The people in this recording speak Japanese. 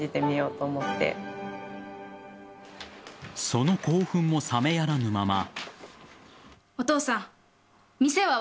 その興奮も冷めやらぬまま。